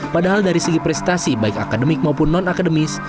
padahal dari segi prestasi baik akademik maupun non akademis